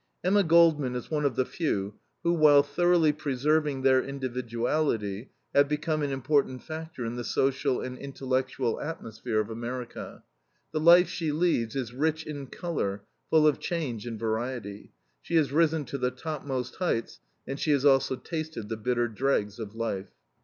Emma Goldman is one of the few who, while thoroughly preserving their individuality, have become an important factor in the social and intellectual atmosphere of America. The life she leads is rich in color, full of change and variety. She has risen to the topmost heights, and she has also tasted the bitter dregs of life.